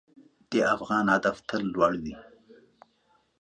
د افغان هدف تل لوړ وي.